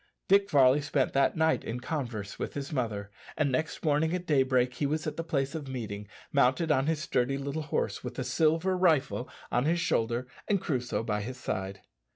Dick Varley spent that night in converse with his mother, and next morning at daybreak he was at the place of meeting, mounted on his sturdy little horse, with the "silver rifle" on his shoulder and Crusoe by his side.